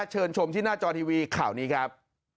เชิญชมที่หน้าจอทีวีข่าวนี้ครับ